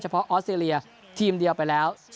เพราะออสเตรเลียทีมเดียวไปแล้ว